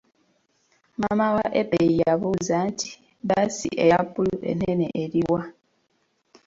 Maama wa Ebei yabuuza nti, bbaasi eyabulu ennene eri wa?